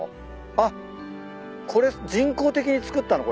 あっこれ人工的に造ったの？